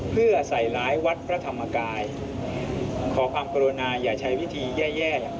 เพื่อใส่ร้ายวัดพระธรรมกายขอความกรุณาอย่าใช้วิธีแย่